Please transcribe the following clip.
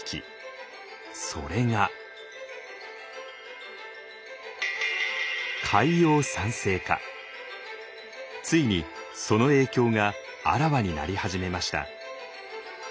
それがついにその影響があらわになり始めました。